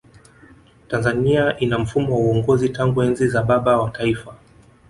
tanzania ina mfumo wa uongozi tangu enzi za baba wa taifa